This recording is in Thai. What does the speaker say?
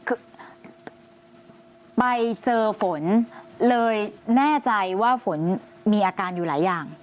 คือไปเจอฝนเลยแน่ใจว่าฝนมีอาการอยู่หลายอย่าง